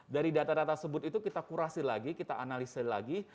dari data data tersebut itu kita kurasi lagi kita analisa lagi